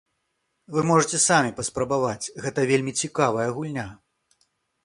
Вы можаце самі паспрабаваць, гэта вельмі цікавая гульня!